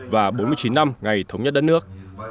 và bốn mươi chín năm ngày thống nhất đất nước